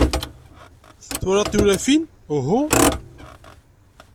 Twalaḍ tiwlafin, uhu?